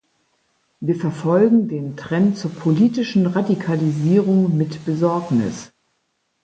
Wir verfolgen den Trend zur politischen Radikalisierung mit Besorgnis.